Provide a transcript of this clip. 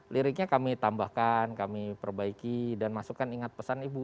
liriknya kami tambahkan kami perbaiki dan masukkan ingat pesan ibu